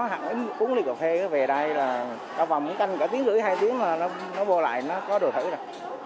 hẳn uống ly cà phê về đây là vòng cả tiếng rưỡi hai tiếng mà nó vô lại nó có đồ thử rồi